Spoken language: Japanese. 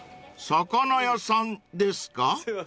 ［魚屋さんですか？］